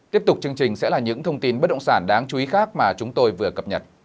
tiếp tục chương trình sẽ là những thông tin bất động sản đáng chú ý khác mà chúng tôi vừa cập nhật